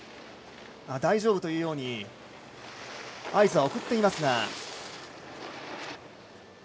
大丈夫というように合図は送っていますが。